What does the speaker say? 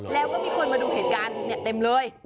แล้วก็มีคนมาดูเหตุการณ์เต็มเลย